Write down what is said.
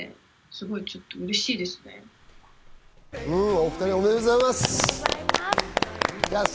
お２人、おめでとうございます。